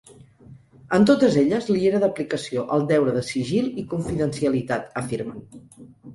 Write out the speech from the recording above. En totes elles li era d’aplicació el deure de sigil i confidencialitat, afirmen.